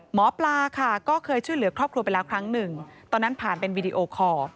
หมอปลาค่ะก็เคยช่วยเหลือครอบครัวไปแล้วครั้งหนึ่งตอนนั้นผ่านเป็นวีดีโอคอร์